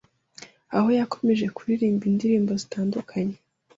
aho yakomeje kuririmba indirimbo zitandukanye